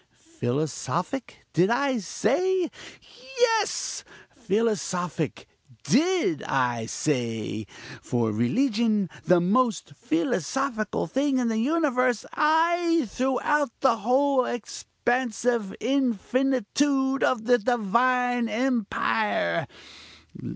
"Philosophic, did I say? Yes: philosophic did I say. For religion is the most philosophical thing in the universe ay! throughout the whole expansive infinitude of the divine empire.